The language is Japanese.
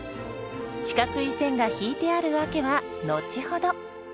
四角い線が引いてある訳は後ほど。